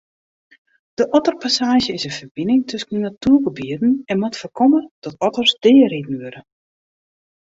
De otterpassaazje is in ferbining tusken natuergebieten en moat foarkomme dat otters deariden wurde.